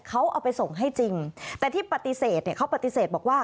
เขาเอาไปส่งให้จริงแต่ที่ปฏิเสธเนี่ยเขาปฏิเสธบอกว่า